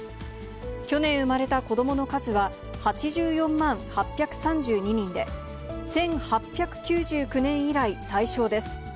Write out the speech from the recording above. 去年生まれた子どもの数は８４万８３２人で、１８９９年以来最少です。